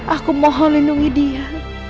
aku mohon lindungi dia